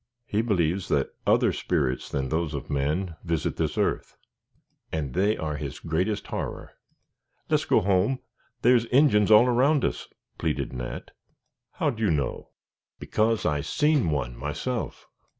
He believes that other spirits than those of men visit this earth, and they are his greatest horror. "Les' go home; there's Injins all around us," pleaded Nat. "How'd you know?" "Because I seen one myself."